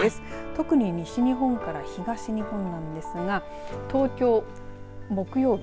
特に西日本から東日本なんですが東京木曜日